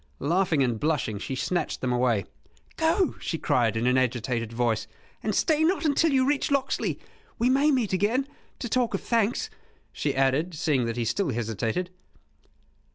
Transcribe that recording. Laughing and blushing, she snatched them away. "Go," she cried, in agitated voice, "and stay not until you reach Locksley. We may meet again to talk of thanks," she added, seeing that he still hesitated.